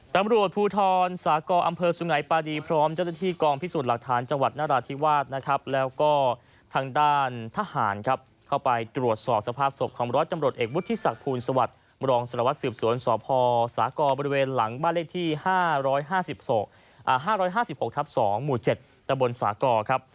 ตำรวจภูทรสากอำเภอสุงัยปาดีพร้อมเจ้าหน้าที่กองพิสูจน์หลักฐานจังหวัดนราธิวาสนะครับแล้วก็ทางด้านทหารครับเข้าไปตรวจสอบสภาพศพของร้อยตำรวจเอกวุฒิศักดิ์สวัสดิ์รองสารวัตรสืบสวนสพสากบริเวณหลังบ้านเลขที่๕๕๖ทับ๒หมู่๗ตะบนสากรครับ